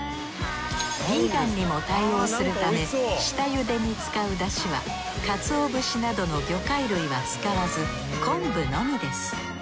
ビーガンにも対応するため下茹でに使うだしはかつお節などの魚介類は使わず昆布のみです。